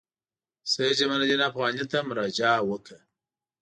سید جمال الدین افغاني ته مراجعه وکړه.